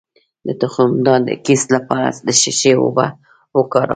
د تخمدان د کیست لپاره د څه شي اوبه وکاروم؟